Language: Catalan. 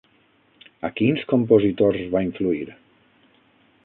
A quins compositors va influir?